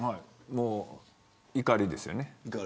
もう怒りですよね。